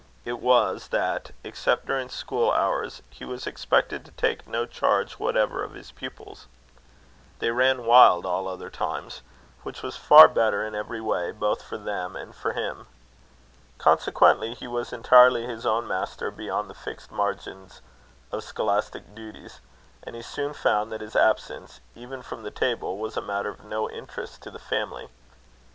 It was, that, except during school hours, he was expected to take no charge whatever of his pupils. They ran wild all other times; which was far better, in every way, both for them and for him. Consequently, he was entirely his own master beyond the fixed margin of scholastic duties; and he soon found that his absence, even from the table, was a matter of no interest to the family.